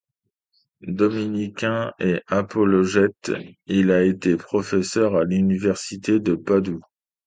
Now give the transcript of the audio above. Dominicain et apologète, il a été professeur à l'université de Padoue.